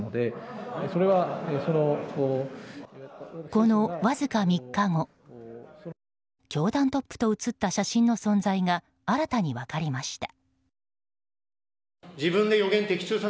このわずか３日後教団トップと写った写真の存在が新たに分かりました。